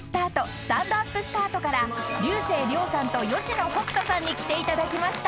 『スタンドＵＰスタート』から竜星涼さんと吉野北人さんに来ていただきました］